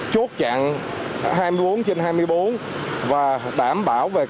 chốt chặn hai mươi bốn trên hai mươi bốn và đảm bảo về